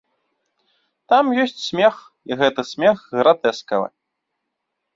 Там ёсць смех, і гэты смех гратэскавы.